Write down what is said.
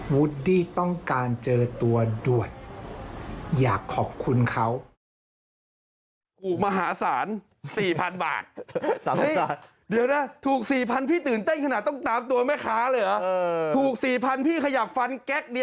วูดดีต้องการเจอตัวดี